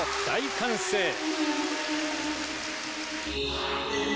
大歓声！